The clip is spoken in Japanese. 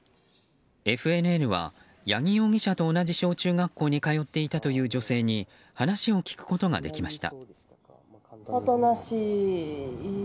ＦＮＮは、八木容疑者と同じ小中学校に通っていたという女性に話を聞くことができました。